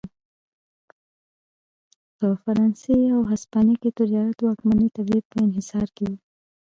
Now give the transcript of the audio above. په فرانسې او هسپانیا کې تجارت د واکمنې طبقې په انحصار کې و.